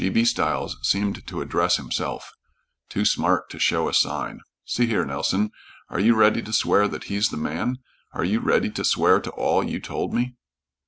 G. B. Stiles seemed to address himself. "Too smart to show a sign. See here, Nelson, are you ready to swear that he's the man? Are you ready to swear to all you told me?"